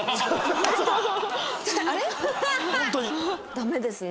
ダメですね。